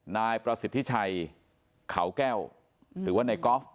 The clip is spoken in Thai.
นายประสิทธิชัยเขาแก้วหรือว่าในกอล์ฟ